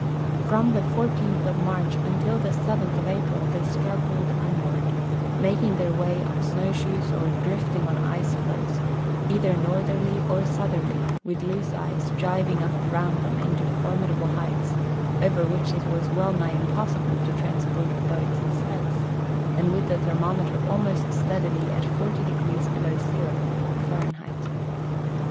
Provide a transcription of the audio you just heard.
From the 14th of March until the 7th of Ajiril they struggled onward, making their way on snowshoes or drifting on ice ffoes, either northerly or southerly, with loose ice driving up around them into formi dable heights over which it was wellnigh impossible to trans j)ort the boats and sleds, and with the thermometer almost steadily at 40° below zero, Fahrenheit.